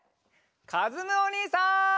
かずむおにいさん！